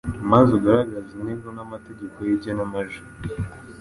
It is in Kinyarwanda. maze ugaragaze intego n’amategeko y’igenamajwi.